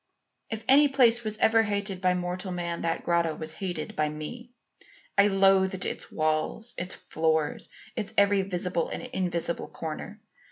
"If any place was ever hated by mortal man that grotto was hated by me. I loathed its walls, its floor, its every visible and invisible corner.